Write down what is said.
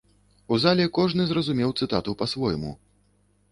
У зале кожны зразумеў цытату па-свойму.